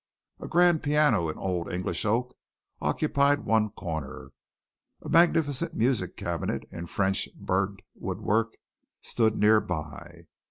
A grand piano in old English oak occupied one corner, a magnificent music cabinet in French burnt woodwork, stood near by.